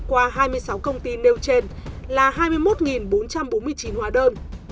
qua hai mươi sáu công ty nêu trên là hai mươi một bốn trăm bốn mươi chín hóa đơn